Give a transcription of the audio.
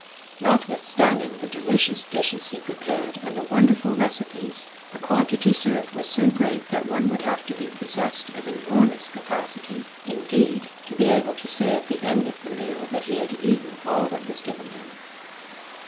Notwithstanding the delicious dishes he prepared and the wonderful recipes, the quantity served was so great that one would have to be possessed of enormous capacity, indeed, to be able to say at the end of the meal that he had eaten all that was given him.